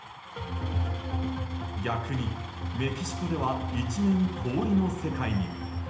逆に、メキシコでは一面氷の世界に。